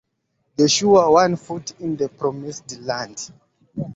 Joshua, One Foot in the Promised Land: